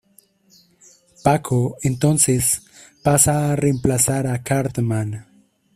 Paco entonces, pasa a reemplazar a Cartman.